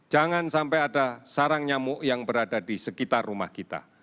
jangan sampai ada sarang nyamuk yang berada di sekitar rumah kita